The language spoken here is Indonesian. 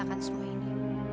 mengatakan semua ini